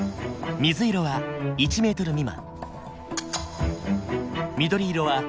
黄色は２ｍ未満。